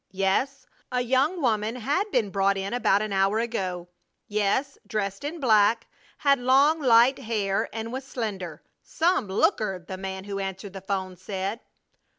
Yes, a young woman had been brought in about an hour ago.... Yes, dressed in black had long light hair and was slender. "Some looker!" the man who answered the 'phone said.